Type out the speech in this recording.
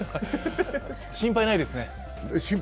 心配ないですね。